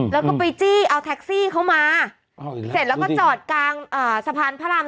แล้วก็ไปจี้เอาแท็กซี่เข้ามาเสร็จแล้วก็จอดกลางสะพานพระราม